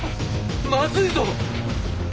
まずいぞ！